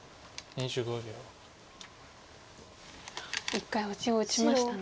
一回オシを打ちましたね。